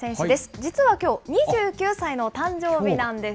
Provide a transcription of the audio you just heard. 実はきょう、２９歳の誕生日なんです。